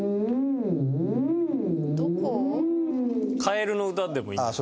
どこ？